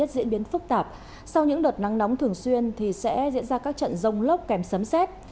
diễn biến phức tạp sau những đợt nắng nóng thường xuyên thì sẽ diễn ra các trận rông lốc kèm sấm xét